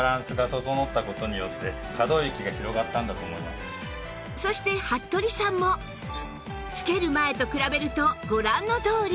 すごい！そして服部さんも着ける前と比べるとご覧のとおり